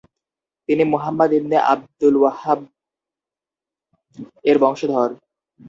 তিনি Muhammad ibn Abdul Wahhab এর বংশধর।